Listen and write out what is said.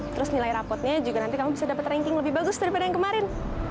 terus nilai rapotnya juga nanti kamu bisa dapat ranking lebih bagus daripada yang kemarin